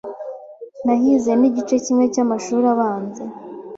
nahize n’igice kimwe cy’amashuri abanza